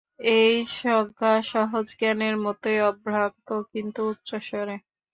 এই স্বজ্ঞা সহজজ্ঞানের মতই অভ্রান্ত, কিন্তু উচ্চস্তরে।